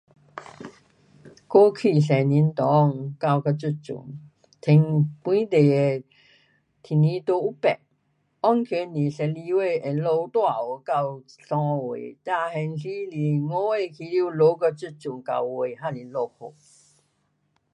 过去十年里到这阵，天气都有变，行情是十二月会下大雨，三月，五月到九月都下雨。